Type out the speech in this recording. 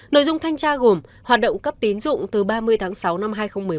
nội dung thanh tra gồm hoạt động cấp tín dụng từ ba mươi tháng sáu năm hai nghìn một mươi bảy